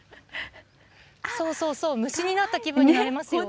そうそうそう、虫になった気分になれますよ。